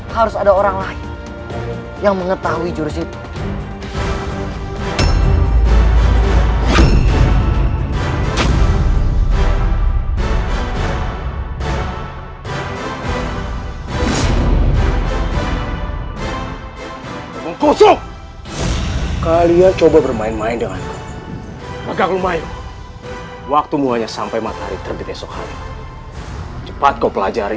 kau sudah pois tidak tepat sama constitutional yang lain